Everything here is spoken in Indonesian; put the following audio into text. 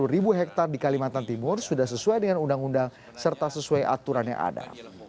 dua ratus dua puluh ribu hektare di kalimantan timur sudah sesuai dengan undang undang serta sesuai aturan yang ada